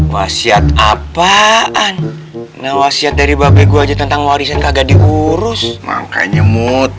wasiat apaan nowasya dari bapak gua aja tentang warisan kagak diurus mangga nyemut